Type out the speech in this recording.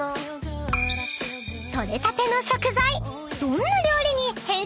［取れたての食材］